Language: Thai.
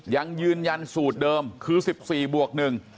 ยังยืนยันสูตรเดิมคือ๑๔บวก๑